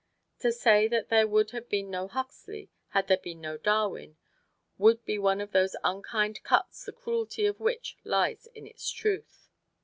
To say that there would have been no Huxley had there been no Darwin would be one of those unkind cuts the cruelty of which lies in its truth.